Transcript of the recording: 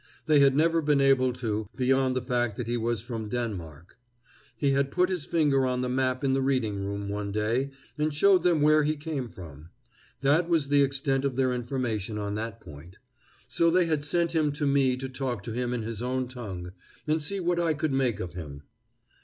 They had never been able to, beyond the fact that he was from Denmark. He had put his finger on the map in the reading room, one day, and shown them where he came from: that was the extent of their information on that point. So they had sent him to me to talk to him in his own tongue and see what I could make of him.